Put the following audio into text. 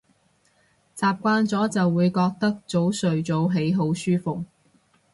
習慣咗就會覺得早睡早起好舒服